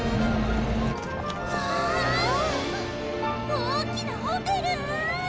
大きなホテル！